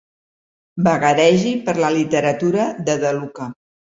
Vagaregi per la literatura de De Luca.